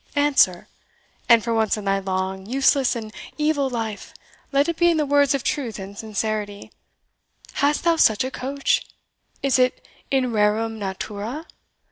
Answer and for once in thy long, useless, and evil life, let it be in the words of truth and sincerity, hast thou such a coach? is it in rerum natura?